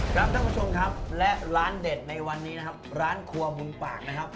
ท่านผู้ชมครับและร้านเด็ดในวันนี้นะครับร้านครัวมุมปากนะครับ